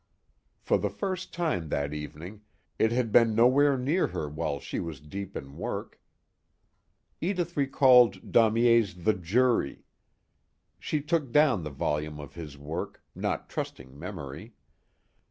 For the first time that evening it had been nowhere near her while she was deep in work Edith recalled Daumier's "The Jury." She took down the volume of his work, not trusting memory.